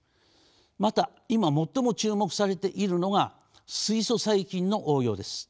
また今最も注目されているのが水素細菌の応用です。